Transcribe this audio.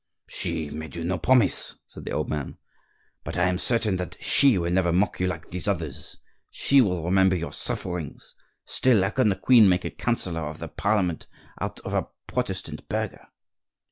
"She made you no promise," said the old man, "but I am certain that she will never mock you like these others; she will remember your sufferings. Still, how can the queen make a counsellor of the Parliament out of a protestant burgher?"